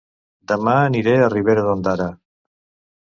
Dema aniré a Ribera d'Ondara